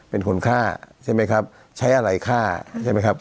เป็นคนฆ่าใช่ไหมครับใช้อะไรฆ่าใช่ไหมครับ